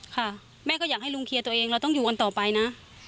ค่ะแม่ก็อยากให้ลุงเคลียร์ตัวเองเราต้องอยู่กันต่อไปนะ